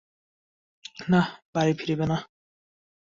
নাঃ, বাড়ি ফিরিবে না।